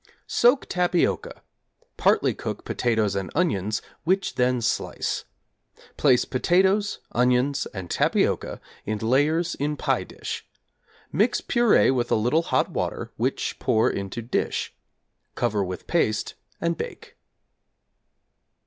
Soak tapioca. Partly cook potatoes and onions, which then slice. Place potatoes, onions, and tapioca in layers in pie dish; mix purée with a little hot water, which pour into dish; cover with paste and bake.